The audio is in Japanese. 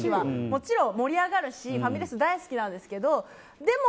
もちろん、盛り上がるしファミレス大好きなんですけども